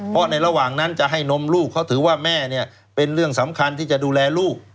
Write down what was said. เพราะในระหว่างนั้นจะให้นมลูกเขาถือว่าแม่เนี่ยเป็นเรื่องสำคัญที่จะดูแลลูก